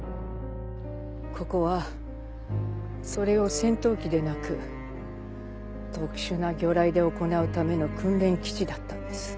ここはそれを戦闘機でなく特殊な魚雷で行うための訓練基地だったんです。